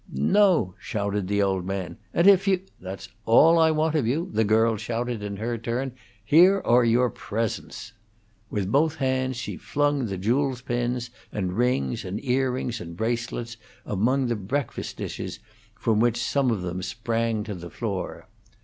"No!" shouted the old man. "And if " "That's all I want of you!" the girl shouted in her turn. "Here are your presents." With both hands she flung the jewels pins and rings and earrings and bracelets among the breakfast dishes, from which some of them sprang to the floor.